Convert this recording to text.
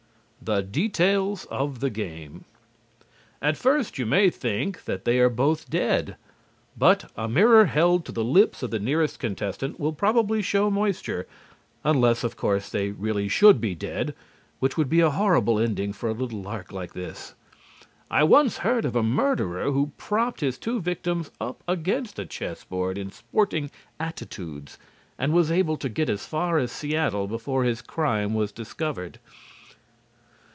THE DETAILS OF THE GAME At first you may think that they are both dead, but a mirror held to the lips of the nearest contestant will probably show moisture (unless, of course, they really should be dead, which would be a horrible ending for a little lark like this. I once heard of a murderer who propped his two victims up against a chess board in sporting attitudes and was able to get as far as Seattle before his crime was discovered).